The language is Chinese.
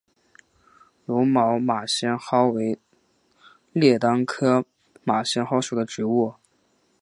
柔毛马先蒿为列当科马先蒿属的植物。